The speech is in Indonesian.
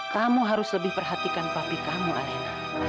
kamu harus lebih perhatikan papi kamu aneh